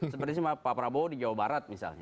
seperti pak prabowo di jawa barat misalnya